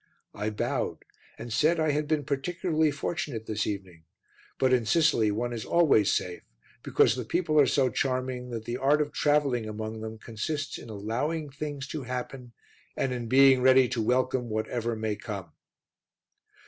I bowed and said I had been particularly fortunate this evening; but in Sicily one is always safe because the people are so charming that the art of travelling among them consists in allowing things to happen and in being ready to welcome whatever may come.